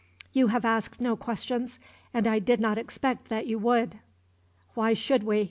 You have asked no questions, and I did not expect that you would." "Why should we?"